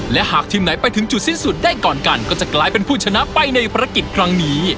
และหากทีมไหนไปถึงจุดสิ้นสุดได้ก่อนกันก็จะกลายเป็นผู้ชนะไปในภารกิจครั้งนี้